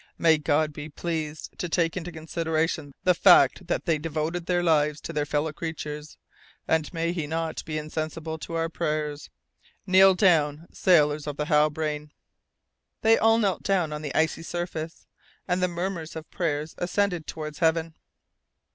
May God be pleased to take into consideration the fact that they devoted their lives to their fellow creatures, and may He not be insensible to our prayers! Kneel down, sailors of the Halbrane!" They all knelt down on the icy surface, and the murmurs of prayer ascended towards heaven.